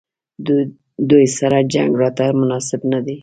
دوی سره جنګ راته مناسب نه دی.